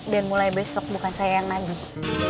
dan mulai besok bukan saya yang nagih